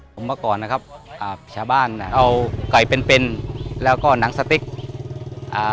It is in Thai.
ผมเมื่อก่อนนะครับอ่าชาวบ้านน่ะเอาไก่เป็นเป็นแล้วก็หนังสติ๊กอ่า